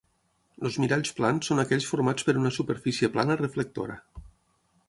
Els miralls plans són aquells formats per una superfície plana reflectora.